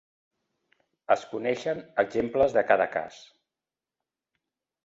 Es coneixen exemples de cada cas.